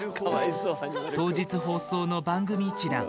当日、放送の番組一覧。